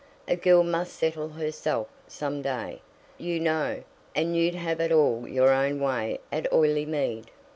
"A girl must settle herself some day, you know; and you'd have it all your own way at Oileymead."